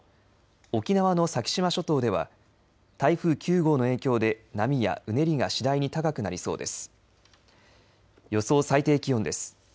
沖縄の先島諸島では台風９号の影響で波やうねりが次第に高くなりそうです。